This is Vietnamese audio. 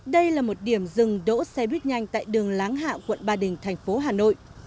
đây là một điểm dừng đỗ xe buýt nhanh tại đường láng hạ quận ba đình thành phố hà nội